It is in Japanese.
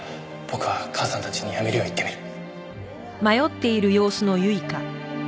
僕は母さんたちにやめるよう言ってみる。